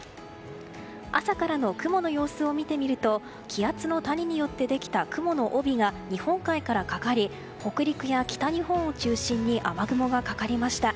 朝からの雲の様子を見てみると気圧の谷によってできた雲の帯が日本海からかかり北陸や北日本を中心に雨雲がかかりました。